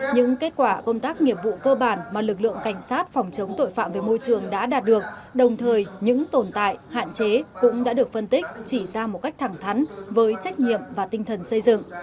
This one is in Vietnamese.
những kết quả công tác nghiệp vụ cơ bản mà lực lượng cảnh sát phòng chống tội phạm về môi trường đã đạt được đồng thời những tồn tại hạn chế cũng đã được phân tích chỉ ra một cách thẳng thắn với trách nhiệm và tinh thần xây dựng